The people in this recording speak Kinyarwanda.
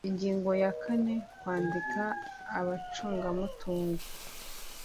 ingingo ya kane kwandika abacungamutungo